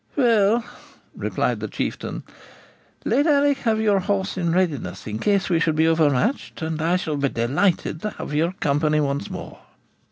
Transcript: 'Well,' replied the Chieftain, 'let Alick have your horse in readiness, in case we should be overmatched, and I shall be delighted to have your company once more.'